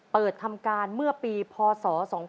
เปิดทำการเมื่อปีพศ๒๕๖